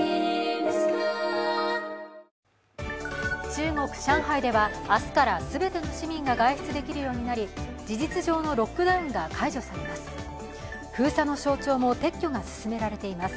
中国・上海では明日から全ての市民が外出できるようになり事実上のロックダウンが解除されます。